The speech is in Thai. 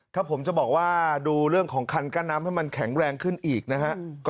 ถ้าผมจะบอกว่าดูเรื่องของคันกั้นน้ำให้มันแข็งแรงขึ้นอีกนะฮะ